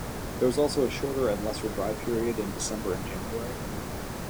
There is also a shorter and lesser dry period in December and January.